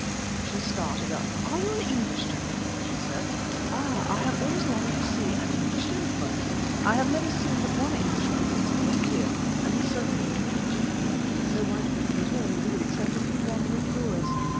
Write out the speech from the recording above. She started up. "Are you an English gentleman?" she said. "Ah, I have always longed to see an English gentleman. I have never seen but one Englishman since we lived here, and he certainly was not a gentleman—no white people at all, indeed, except a few wandering Boers.